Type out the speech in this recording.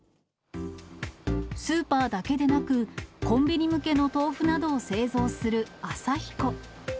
スーパーだけでなく、コンビニ向けの豆腐などを製造するアサヒコ。